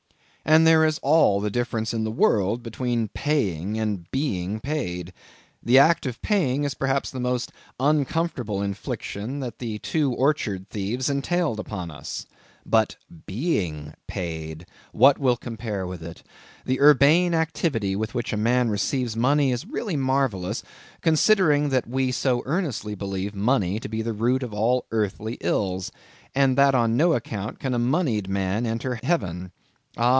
And there is all the difference in the world between paying and being paid. The act of paying is perhaps the most uncomfortable infliction that the two orchard thieves entailed upon us. But being paid,—what will compare with it? The urbane activity with which a man receives money is really marvellous, considering that we so earnestly believe money to be the root of all earthly ills, and that on no account can a monied man enter heaven. Ah!